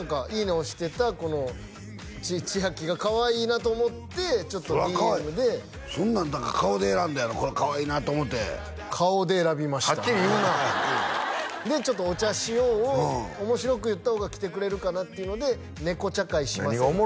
押してたこのちあきがかわいいなと思ってちょっとＤＭでそんなんだから顔で選んだやろこれかわいいなと思って顔で選びましたはっきり言うなあでちょっと「お茶しよう」を面白く言った方が来てくれるかなっていうので猫茶会しませんか？